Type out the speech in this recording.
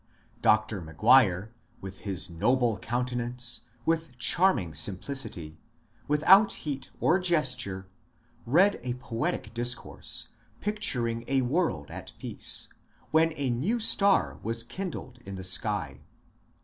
Dr. McGuire, with his noble countenance, with charming simplicity — without heat or ges ture— read a poetic discourse, picturing a world at peace, when a new star was kindled in the sky.